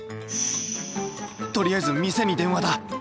とりあえず店に電話だ。